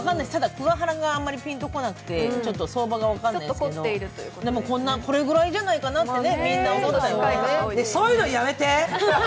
久が原があんまり分かんなくてちょっと相場が分からないですけど、でもこれぐらいじゃないかなってそういうのやめて！